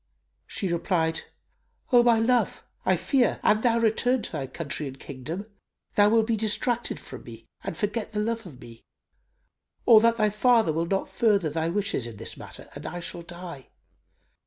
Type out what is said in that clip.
She replied, "O my love, I fear, an thou return to thy country and kingdom, thou wilt be distracted from me and forget the love of me; or that thy father will not further thy wishes in this matter and I shall die.